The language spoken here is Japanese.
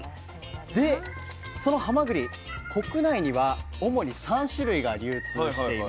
でそのはまぐり国内には主に３種類が流通しています。